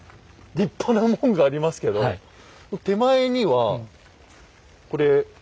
立派な門がありますけど手前にはこれ池というか水堀？